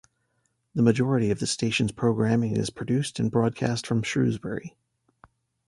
The majority of the station's programming is produced and broadcast from Shrewsbury.